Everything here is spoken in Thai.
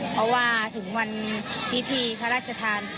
เพราะว่าถึงวันพิธีพระราชทาน